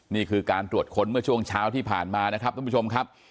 นี่คือการตรวจค้นเมื่อช่วงเช้าที่ผ่านมานะครับท่านผู้ชมครับ